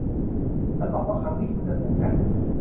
ฉันหวังว่าครั้งนี้คุณจะถูกนะ